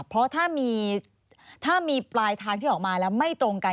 เพราะถ้ามีปลายทางที่ออกมาแล้วไม่ตรงกัน